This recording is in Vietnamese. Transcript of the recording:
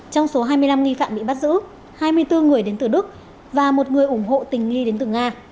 trong số hai mươi năm nghi phạm bị bắt giữ hai mươi bốn người đến từ đức và một người ủng hộ tình nghi đến từ nga